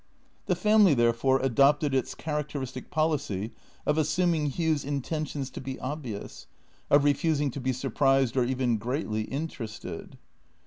The family, therefore, adopted its characteristic policy of assuming Hugh's intentions to be obvious, of refusing to be sur prised or even greatly interested.